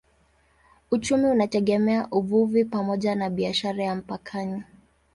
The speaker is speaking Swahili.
Uchumi unategemea uvuvi pamoja na biashara ya mpakani.